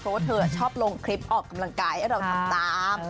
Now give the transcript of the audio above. เพราะว่าเธอชอบลงคลิปออกกำลังกายให้เราทำตาม